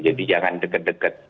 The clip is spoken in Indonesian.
jadi jangan deket deket